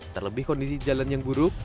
terlebih kondisi jalan yang buruk